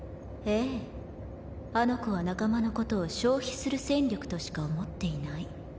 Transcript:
あの子は仲間のことを消費する戦力としか思っていない。